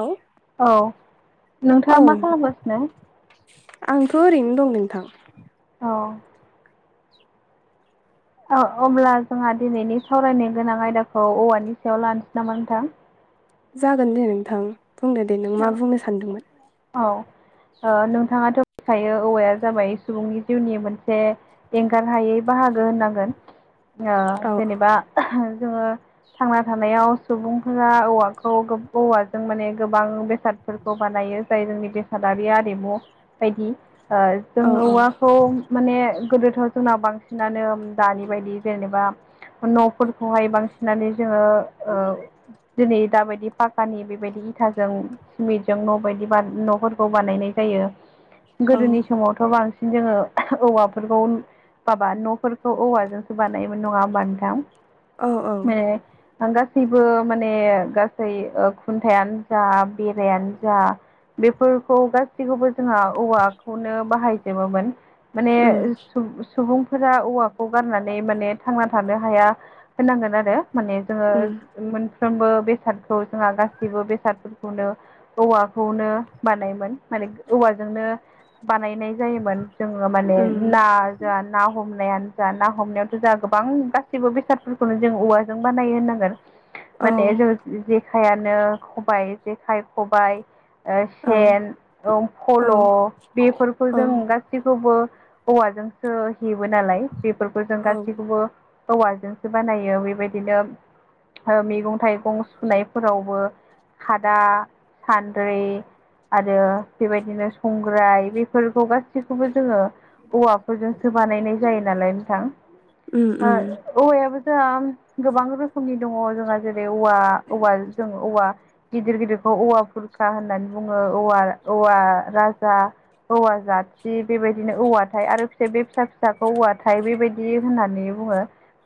आव औ नोंथाङा मा खालामगासिनो? आंथ' ओरैनो दं नोंथां। औ। औ अब्ला जोंहा दिनैनि सावरायनो गोनां आयदाखौ औवानि सायाव लानसै नामा नोंथां? जागोन दे नोंथां बुंनो दे नों मा औ बुंनो सानदोंमोन। औ ओ नोंथाङाथ' मिथिखायो औवाया जाबाय सुबुंनि जिउनि मोनसे एंगार हायै बाहागो होननांगोन ओ औ जेनेबा जोङो थांना थानायाव सुबुंफोरा औवाखौ गोब औवाजों माने गोब बां बेसादफोरखौ बानायो जाय जोंनि बेसादारि आरिमु बायदि ओ जों औ औ औवा खौ माने गोदोथ' जोंनाव बांसिनानो दानि बायदि जेनेबा न'फोरखौहाय बांसिनानो जोङो ओ दिनै दाबायदि पाकानि बेबायदि थाजों सिमिन्टजों न' बायदि बा न'फोरखौ बानायनाय जायो। औ गोदोनि समावथ' बांसिन जोङो औवाफोरखौ बाबा न'फोरखौ औवाजोंसो बानायोमोन नङा होमबा नोंथां? औ औ माने आं गासैबो माने गासै ओ खुनथायान जा बेरायायानो जा बेफोरखौ गासैखौबो जोंहा औवा खौनो बाहायजोबोमोन। माने उम सुब सु सुबुंफोरा औवाखौ गारनानै माने थांना थानो हाया होननांगोन आरो माने जोङो उम मोनफ्रोमबो बेसादखौ जोंहा गासिबो बेसाद खौनो औवाखौनो बानायोमोन माने औवाजोंनो बानायनाय जायोमोन जोङो माने उम ना जा ना हमनायानो जा ना हमनायावथ' जाहा गोबां गासिबो बेसादफोरखौनो जों औवाजों बानायो होनांगोन। औ माने जों जेखायानो खबाय जेखाइ खबाय ओ औ सेन ओं औ फल' बेफोरखौ औ जों गासै सिखौबो औवाजोंसो हेबो नालाय बेफोरखौ जों औ गासैखौबो ओ औवाजोंसो बानायो बेबायदिनो मैगं थाइगं सुनायफोरावबो खादा सान्द्रै आरो बेबायदिनो संग्राय बेफोरखौ गासैखौबो जोङो औवाफोरजों सो बानायनाय जायो नालाय नोंथां। उम उम औवायाबो जोंहा गोबां रोखोमनि दङ जोंहा जेरै औवा औवा जों औवा। गिदिर गिदिरखौ औवा बुरखा होननानै बुङो औवा औवा गाजा औवा जाथि बेबायदिनो औवाथाय आरो फिसा बे फिसा फिसाखौ औवा थायो बेबादि जि होननानै बुङो।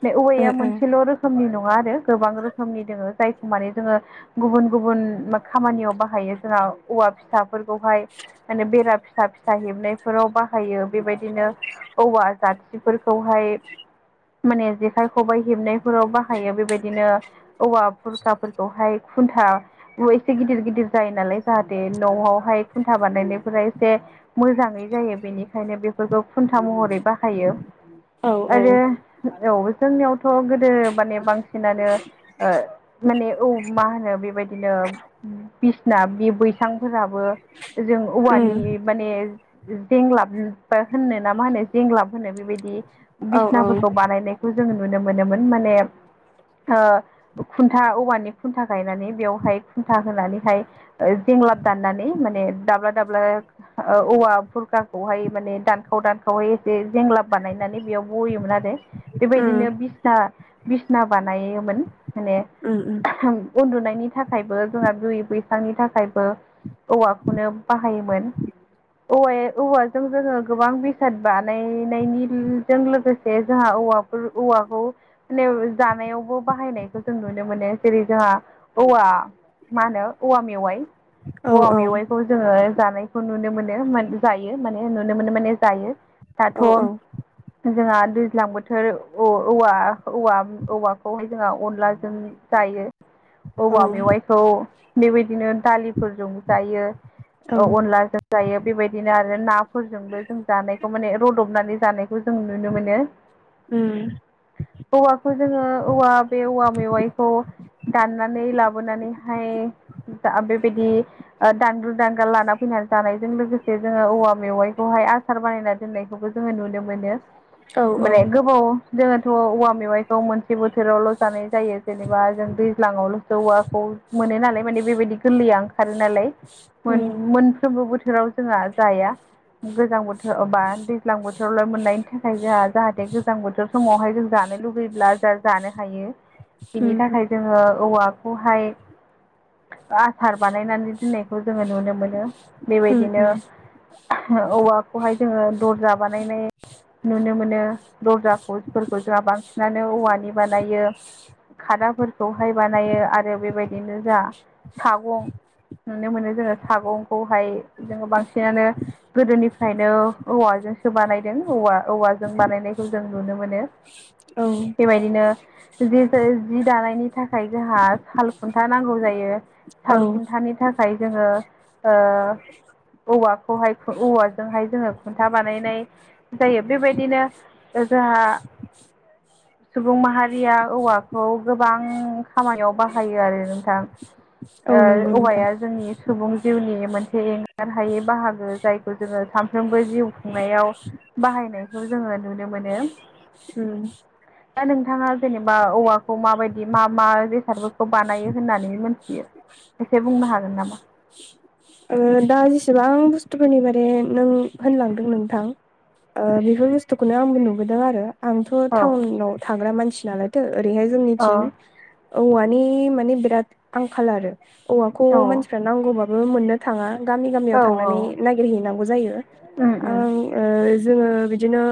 बे औवाया मोनसेल' रोखोमनि नङा आरो गोबां रोखोमनि दङो जायखौ माने जोङो गुबुन। गुबुन खामानियाव बाहायो जोंहा औवा फिसा फोरफोरखौहाय माने बेरा फिसा फिसा हेबनायफोराव बाहायो बेबादिनो औवा जाथिफोरखौहायो माने जेखाइ खबाइ हेबनायफोराव बाहायो बेबायदिनो औवा सिखाफोरखौहाय खुन्था एसे गिदिर गिदिर जायो नालाय जाहाथे न'आवहाय खुन्था बानायनायफोरा एसेसो मोजाङै जायो बेनिखायनो बे फोरखौ खुन्था महरै बाहायो ओ आरो। औ जोंनियावथ' गोदो माने बांसिनानो। माने औ मा होनो बेबादिनो बिसिना बे बैसांफोराबो जों औवानि माने जेंलाब होननो ना मा होनो जेंग्लाब होनो बेबायदि औ उम औ औ बिसनाफोरखौ बानायनायो खौ जोङो नुनो मोनोमोन माने। खुन्था औवानि खुन्था गायनानै न' खुन्था होनानैहाय जेंलाब दाननानै माने दाब्ला दाब्ला औवा बुरखाखौहाय माने दानखाव दानखावै एसे जेंलाब बानायनानै बेयाव बनायोमोन आरो। उम बेबायदिनो बिसना बिसना बानायोमोन मानेओ उम उम। उन्दुनायनि थाखाय थाखायबो जोंहा बि बैसांनि थाखायबो औवाखौनो बाहायोमोन। औवा औवाजों जोङो गोबां बेसाद बानायनायनिजों लोगोसे जोंहा औवा औवाखौ। दि जानायावबो बाहायनायखौ जों नुनो मोनो जेरै जोंहा औवा। मा होनो औवा मेवाइ औ औवा औ मेवाइ खौ जोङो जानायखौ नुनो मोनो जायो माने नुनो मोनो माने जायो। दाथ' औ औ उम जोंहा दैज्लां बोथोर औवा औवा औवाखौहाय जोंहा अनलाजोंओ दायो औवा मेवाइखौ बेबादिनो दालिफोरजों जायो अनलाजों जायो बेबायदिनो आरो नाफोरजोंबो जों जानायखौ माने रुदबनानै जानायखौ जों नुनो मोनो। उम। औवाखौ जोङो औवा बे औवा मेवाइखौ दाननानै लाबोनानै ओमफाय दा बे बादि दानलु दानला लाना फैनानै जानायजों लोगोसे जोङो औवा मेवाइखौहायो आसार बानायना दोननायखौबो जोङो नुनो मोनो। औ माने उम गोबाव जोङोथ' औवा मेवाइखौ मोनसे बोथोरावल' जानाय जायो। जेनेबा जों दैज्लाङावल' जौवाखौबो मोनो नालाय माने बेबायदि गोरलैया ओंखारो नालाय उम मोनफ्रोमबो बोथोरावो जोंहा जाया गोजां बोथोर बा दैज्लां बोथोरावलाय मोननायनि थाखाय जोंहा जाहाथे गोजां बोथोर समावहाय जों जानो लुगैब्ला जा जानो हायो उम बिनि थाखाय जोङो औवा खौहाय आसार बानायनानै दोननायखौ जोङो नुनो मोनो उम बेबायदिनो उम औवाखौहाय जोङो दरजा बानायनाय नुनो मोनो दरजाफोरखौ जोंहा बांसिनानो औवानि बानायो खादाफोरखौहाय बानायो आरो बेबायदिनो जोहा सागं नुनो मोनो जोङो सागंखौहाय जोङो बांसिनानो गोदोनिफ्रायनो औवाजोंसो बानायदों औवा औवाजों बानायनायखौ जों नुनो मोनो औ बेबायदिनो जि जाय जि दानायनि थाखाय जोंहा साल खुन्था नांगौ जायो औ साल खुन्थानि था खाय जोङो ओ औवा खौहाय औवाजोंहाय जोङो खुन्था बानायनाय जायो बेबायदिनो जोंहा सुबुं माहारि या औवाखौ गोबां खामानियाव बाहायो आरो नोंथां औ ओ नंगौ नोंथां औवाया जोंनि सुबुं जिउनि मोनसे एंगारहायै बाहागो जाय खौ जोङो सानफ्रोमबो जिउ खुंनायाव बाहायनायखौ जोङो नुनो मोनो [unintelligible] दा नोंथाङा जेनेबा औवाखौ माबायदि मा मा बेसादफोर बानायो होननानै मोनथियो एसे बुंनो हागोन नामा ओ दा जेसेबां बुस्थुफोरनि बारै नों होनलांदों नोंथां ओ बेफोर बुस्थुखौनो आंबो नुबोदों आरो आंथ' औ टाउनाव थाग्रा मानसि नालायथो ओरैहाय औ जोंनिथिं औवानि माने बिराद आंखाल आरो औवाखौ औ मानसिफ्रा नांगौबाबो मोननो थाङा गामि औ गामियाव औ थांनानै नायगिरहैनांगौ जायो उम उम आं ओ जोङो बिदिनो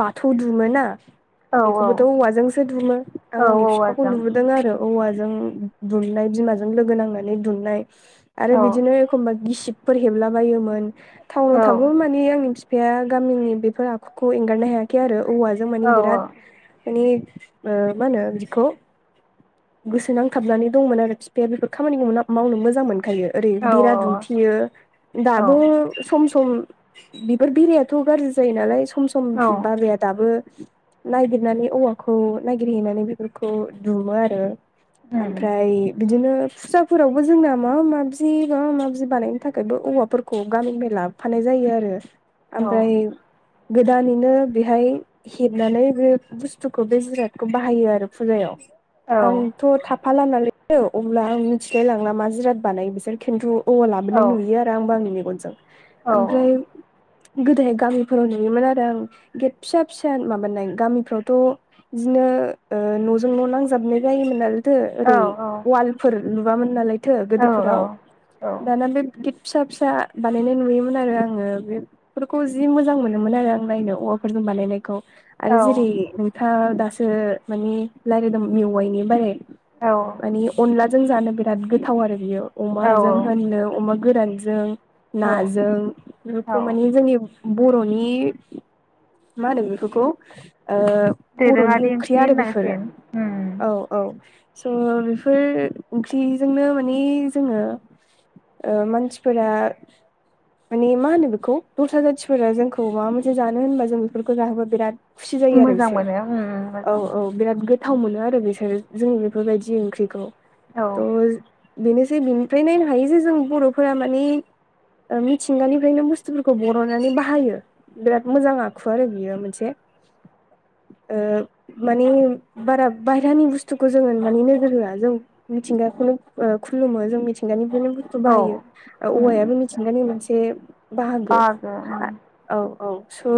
बाथौ दुमो ना औ औ बेखौबोथ' औवाजोंसो दुमो आं औ आंनि फिफाखौ औवाजों नुबो बोदों आरो औवाजों दुमनाय बिमाजों लोगो नांनानै दुमनाय आरो औ बिदिनो एखमबा गिसिबफोर हेबला बायोमोन टाउनाव औ थाबाबो मानि आंनि फि फाया गामिनि बेफोर आखुखौ एंगारनो हायाखै आरो औवाजों औ मानि बिराद मानि ओ मा होनो बिदिखौ गोसो नांथाबनानै दंमोन आरो फिफाया बेफोर खामानिखौ मावनो मोजां मोनखायो ओरै औ बेरा दुमथेयो औ दाबो सम सम बिफोर बेरायाथ' गाज्रि जायो नालाय सम सम औ बाबाया दाबो नायगिरनानै औवाखौ नायगिरहैनानै बेफोरखौ दुमो आरो उम आमफ्राय बिदिनो फुजाफोरावबो जोंना माबा माबि माबा माबि बानायनो थाखायबो औवाफोरखौ गामिनिफाय लाब फानाय जायो आरो औ औ ओमफ्राय गोदानैनो बेहाय हेबनानै बे बुस्थुखौ बे जिरादखौ बाहायो आरो फुजायाव औ आंथ' औ थाफाला नालायथो अब्ला आं मिथिलाय लांला मा जिराद बानाय बिसोर खिन्थु औवा औ लाबोनाय नुयो आरो आंबो आंनि मेगनजों औ आमफ्राय गोदोहाय गामिफोराव नुयोमोन आरो आं गेट फिसा फिसा माबानाय गामिफ्रावथ' बिदिनो नजों न' नां जाबनाय जायोमोन नालायथो औ ओरै वालफोर लुवामोन नालाय थो गोदोफोराव दाना बे गेट फिसा फिसा बानायनाय नुयोमोन आरो आङो बे फोरखौ जि मोजां मोनोमोन आरो आं नायनो औवाफोरजों बानायनायखौ आरो जेरै नोंथाङा दासो मानि लायरायदोंंमोन मेवाइनि बारै औ मानि अनलाजों जानो बिराद गोथाव आरो बियो अमाजों होनो अमा गोरानजों औ नाजों बेफोरखौ माने औ जोंनि बर'नि मा होनो बेफोरखौओ दोरोङारि ओंख्रि होननांसिन उमनि औ औ स' बेफोर ओंख्रिजोंनो माने जोङो ओ मानसिफोरा माने मा होनो बेखौ दस्रा जाथिफोरा जोंखौ माबा मोनसे जानो होनबा जों बेफोरखौ जाहोबा बिराद खुसि जायो आरो मोजां बिसोर मोनो उम औ मोजां औ मोनो बिराद गोथाव मोनो आरो। बिसोर जोंनि बेफोर बायदि ओंख्रिखौ औ थ'। बेनोसै बिनिफ्राय नायनो हायो जे जों बर'फोरा मानेओ ओ मिथिंगानिफ्रायनो बुस्थुफोरखौ बर'ननानै बाहायो। बिराद मोजां आखु आरो बियो मोनसेआ ओ माने बारा बायहेरानि बुस्थुखौ जोङो माने नोजोर होआ मिथिंगाखौनो ओ खुलुमो जों मिथिंगानिफ्रायनो औ बाहायो ओ उम औवायाबो मिथिंगानि मोनसे बाहागो बागो उम [unintelligible] औ औ स' ओ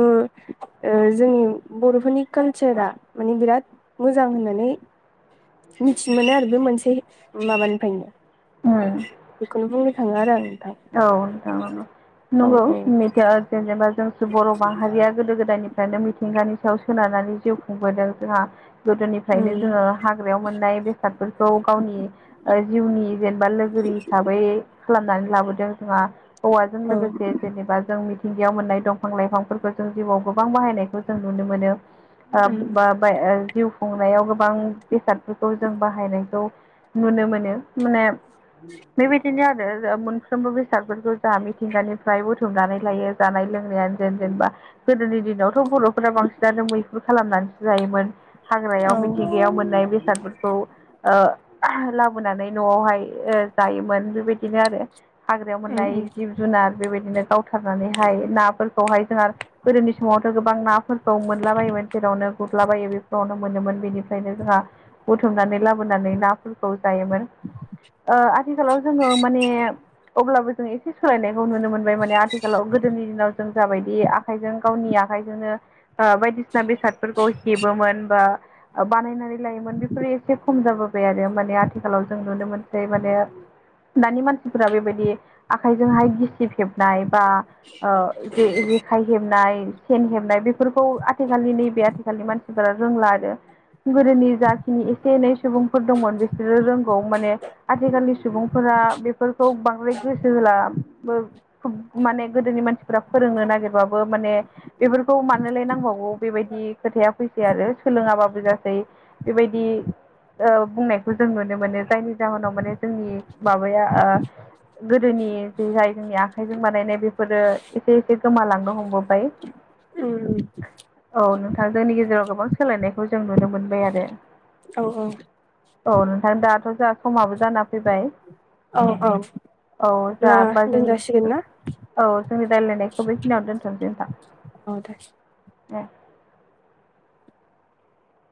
जोंनि बर'फोरनि कालसारा मानि बिराद मोजां होननानै मिथिनो मोनो आरो बे मोनसे माबानिफ्रायनो। ओ उम बेखौनो बुंनो थाङो आरो आं नोंथां। औ नोंथां औ औ औ नंगौ मेथा ओ जेनेबा जोंसो बर' माहारिया गोदो गोदायनिफ्रायनो मिथिंगानि सायाव सोनारनानै जिउ खुंबोदों जोंहाओ गोदोनिफ्रायनो उम जोङो हाग्रायाव मोननाय बेसादफोरखौ गावनि जिउनि जेनेबा लोगोरि हिसाबै खालामनानै लाबोदों जोंहा औवाजों औ लोगोसेनो जेनेबा जों मिथिंगायाव मोननाय दंफां लाइफांफोरखौ जों जिउआव गोबां बाहायनायखौ जों नुनो मोनो। ओ उम बा जिउ खुंनायाव गोबां बेसादफोरखौ जों बाहायनायखौ। नुनो मोनो माने बेबादिनो आरो मोनफ्रोमबो बेसादफोरखौ जाहा मिथिंगानिफ्राय बुथुमनानै लायो जानाय लोंनायानो जेन जेनेबाओ गोदोनि दिन दिनावथ' बर'फोरा बांसिनानो मैहुर खालामनानैसो जायोमोन हाग्रायाव औ मिथिंगायाव मोननाय बेयो बेसादफोरखौ ओ लाबोनानै न'आवहायो जायोमोन बेबायदिनो आरो ना। हाग्रायाव उम मोननाय उम जिब जुनार बेबायदिनो गावथारनानैहाय नाफोरो खौहाय जोंहा गोदोनि समावथ' गोबां नाफोरखौ मोनलाबायोमोन जेरावनो। गुरलाबायो बेफोरावनो मोनोमोन बेनिफ्रायनो जोंहा बुथुमनानै लाबोनानै नाफोरखौ खौ जायोमोन ओ आथिखालाव जोङो माने अब्लाबो जों एसे सोलायनायखौ नुनो मोनबाय माने आथिखालाव गोदोनि दिनावो जों जाबायदि आखाइजों गावनि आखाइजोंनो। ओ बायदिसिना बेसादफोरखौ हेबोमोन बा ओ ओ बानायनानै लायोमोन बेफोरो एसे खम जाबोबाय आरो माने आथिखालाव जों नुनो मोनसै माने ओ दानि मानसिफोरा बेबादि आखाइजोंहाय गिसिब हेबनाय बा ओ जेखाइ हेबनाय आ सेन हेबनाय बेफोरखौ आथिखालनि नैबे आथिखालनि मानसिफोरा रोंला आरो गोदोनि जाखिनि एसे एनै सुबुंफोर दंमोन बिसोरो रोंला खौ माने आथिखालनि सुबुंफोरा बेफोरखौ बां द्राय गोसो होला बो-बो माने गोदोनि मानसिफ्रा फोरोंनो नागिरबाबो माने ओ बेफोरखौ मानोलाय नांबावगौ बेबायदि खोथाया फैसै आरो सोलोङाबाबो जासैबो बेबादि ओ बुंनायखौ जों नुनो मोनो जायनि जाहोनाव माने जोंनि माबाया ओ गोदोनि जे जाय जोंनि आखाइजों बानायनाय बेफोरो एसे एसे गोमालांनो हमबोबायो औ। औ नोंथां जोंनि गेजेराव गोबां सोलायनायखौ जों नुनो मोनबाय आरो। औ औ। औ नोंथां दाथ' जा समाबो जाना फैबायो। औ औ औ जा अब्ला होमबा जोंनि दोनजासिगोन ना औ जोंनि रायज्लायनायखौ बेखिनियावनो दोन्थ'नोसै नोंथां। औ दे ए